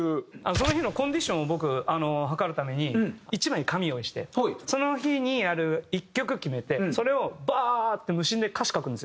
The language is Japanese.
その日のコンディションを僕はかるために一枚紙用意してその日にやる一曲決めてそれをバーッて無心で歌詞書くんですよね